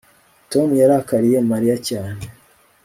tom yarakariye mariya cyane